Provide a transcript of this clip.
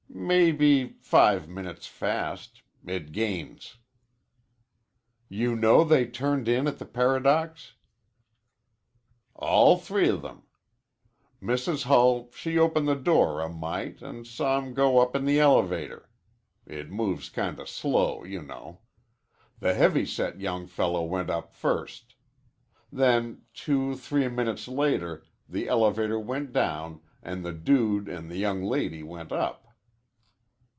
"May be five minutes fast. It gains." "You know they turned in at the Paradox?" "All three of 'em. Mrs. Hull she opened the door a mite an' saw 'em go up in the elevator. It moves kinda slow, you know. The heavy set young fellow went up first. Then two three minutes later the elevator went down an' the dude an' the young lady went up."